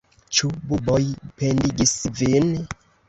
Ĉu buboj pendigis vin?